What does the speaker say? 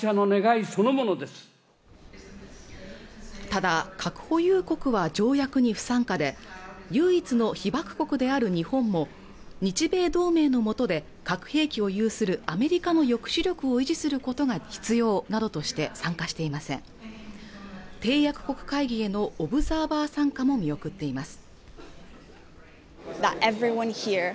ただ核保有国は条約に不参加で唯一の被爆国である日本も日米同盟の下で核兵器を有するアメリカの抑止力を維持することが必要などとして参加していません締約国会議へのオブザーバー参加も見送っています